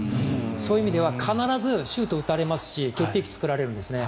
そういう意味では必ずシュートを打たれますし決定機を作られるんですね。